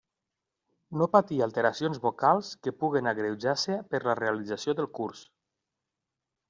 No patir alteracions vocals que puguen agreujar-se per la realització del curs.